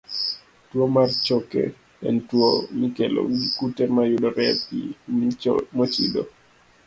Tuwo mar choke en tuwo mikelo gi kute mayudore e pi mochido.